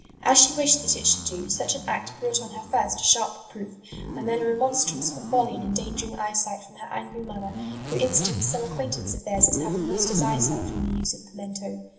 As she wished that it should do, such an act brought on her first a sharp reproof and then a remonstrance for folly in endangering eyesight from her angry mother, who instanced some acquaintance of theirs as having lost his eyesight from the use of pimento.